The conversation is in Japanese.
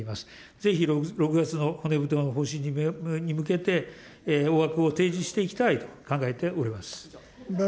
ぜひ６月の骨太の方針に向けて、大枠を提示していきたいと考えております。